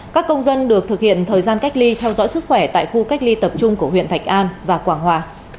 các công dân được thực hiện thời gian cách ly theo dõi sức khỏe tại khu cách ly tập trung của huyện thạch an và quảng hòa